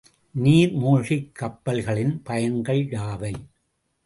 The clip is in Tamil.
நீர்மூழ்கிக் கப்பல்களின் பயன்கள் யாவை?